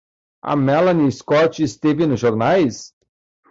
A Melanie Scott esteve nos jornais?